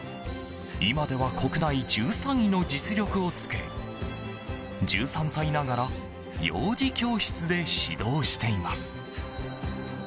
今では国内１３位の実力をつけ１３歳ながら幼児教室で指導しています。